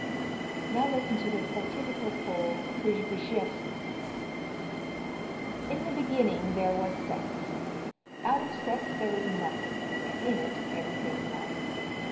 Now listen to the fatidical Pole Przybyszewski: "In the beginning there was sex, out of sex there was nothing and in it everything was.